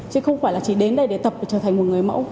chứ không phải là chỉ đến đây để tập để trở thành một người mẫu